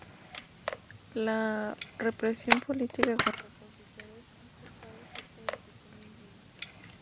La represión política contra opositores ha costado cerca de siete mil vidas.